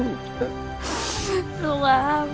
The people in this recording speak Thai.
สู้เพื่อครอบครัวแล้วนะ